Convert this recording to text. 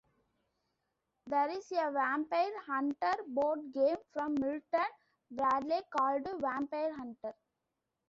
There is a vampire-hunter board game from Milton Bradley called "Vampire Hunter".